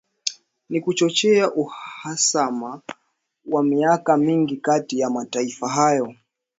Na kuchochea uhasama wa miaka mingi kati ya mataifa hayo.